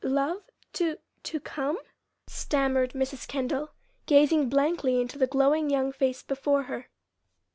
"Love to to come?" stammered Mrs. Kendall, gazing blankly into the glowing young face before her.